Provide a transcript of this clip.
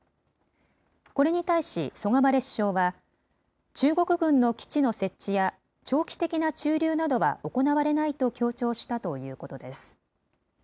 これに対し、ソガバレ首相は、中国軍の基地の設置や長期的な駐留などは行われないと強調したということです。